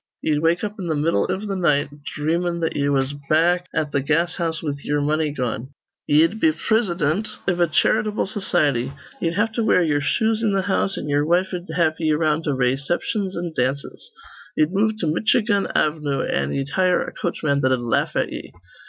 Ye'd wake up in th' middle iv th' night, dhreamin' that ye was back at th' gas house with ye'er money gone. Ye'd be prisidint iv a charitable society. Ye'd have to wear ye'er shoes in th' house, an' ye'er wife'd have ye around to rayciptions an' dances. Ye'd move to Mitchigan Avnoo, an' ye'd hire a coachman that'd laugh at ye.